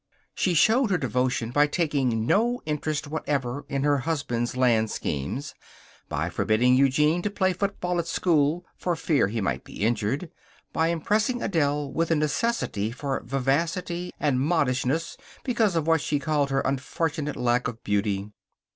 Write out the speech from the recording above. She showed her devotion by taking no interest whatever in her husband's land schemes; by forbidding Eugene to play football at school for fear he might be injured; by impressing Adele with the necessity for vivacity and modishness because of what she called her unfortunate lack of beauty.